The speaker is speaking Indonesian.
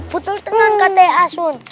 betul tenang kata asun